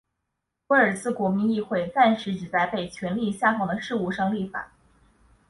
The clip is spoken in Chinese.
威尔斯国民议会暂时只在被权力下放的事务上立法。